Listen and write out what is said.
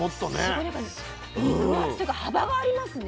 すごいなんか肉厚というか幅がありますね。